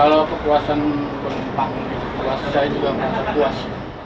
kalau kekuasaan penumpang saya juga puas